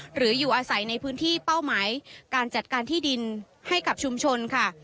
หรืออยู่อาศัยในพื้นที่เป้าหมายการจัดการที่ดินให้กับชุมชนค่ะ